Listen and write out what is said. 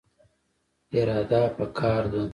اراده پکار ده